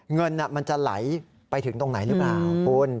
เงินมันจะไหลไปถึงตรงไหนหรือเปล่าคุณ